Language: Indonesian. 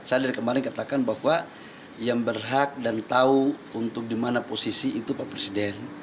saya dari kemarin katakan bahwa yang berhak dan tahu untuk dimana posisi itu pak presiden